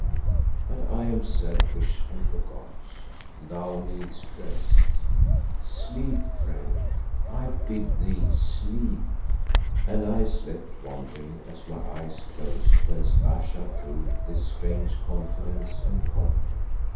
"But I am selfish, and forgot. Thou needest rest. Sleep, friend, I bid thee sleep." And I slept wondering as my eyes closed whence Ayesha drew this strange confidence and comfort.